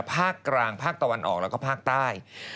ภาคกลางภาคตะวันออกแล้วก็ภาคใต้